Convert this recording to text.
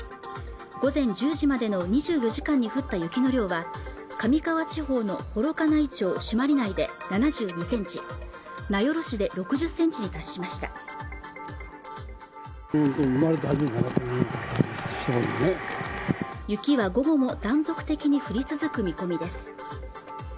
午前１０時までの２４時間に降った雪の量は上川地方の幌加内町朱鞠内で７２センチ名寄市で６０センチに達しました雪は午後も断続的に降り続く見込みです